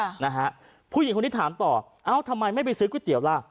ค่ะนะฮะผู้หญิงคนนี้ถามต่อเอ้าทำไมไม่ไปซื้อก๋วยเตี๋ยวล่ะ